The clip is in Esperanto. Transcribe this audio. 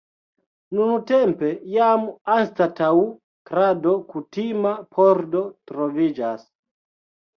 Nuntempe jam anstataŭ krado kutima pordo troviĝas.